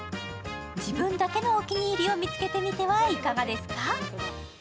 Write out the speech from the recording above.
自分だけのお気に入りを見つけてみてはいかがですか？